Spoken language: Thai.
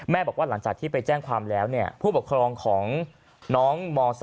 บอกว่าหลังจากที่ไปแจ้งความแล้วผู้ปกครองของน้องม๓